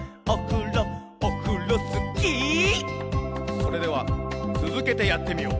それではつづけてやってみよう！